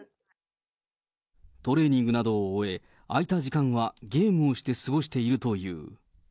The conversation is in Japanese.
トレーニングなどを終え、空いた時間はゲームをして過ごしているという。